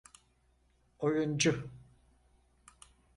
Oyuncu…